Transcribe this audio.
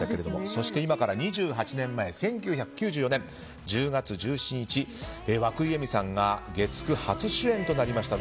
そして今から２８年前の１９９４年１０月１７日和久井映見さんが月９初主演となりました